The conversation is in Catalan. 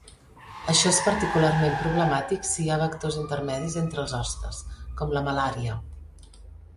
Això és particularment problemàtic si hi ha vectors intermedis entre els hostes, com la malària.